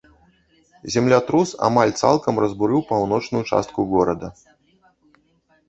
Землятрус амаль цалкам разбурыў паўночную частку горада.